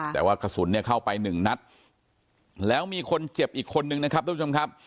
แต่ว่ากระสุนเนี่ยเข้าไปหนึ่งนัดแล้วมีคนเจ็บอีกคนนึงนะครับทุกผู้ชมครับ